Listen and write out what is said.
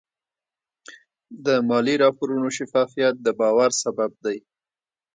د مالي راپورونو شفافیت د باور سبب دی.